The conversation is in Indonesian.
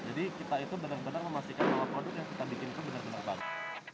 jadi kita itu benar benar memastikan bahwa produk yang kita bikin itu benar benar bagus